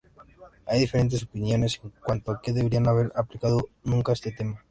Hay diferentes opiniones en cuanto a que debería haber aplicado nunca este tema.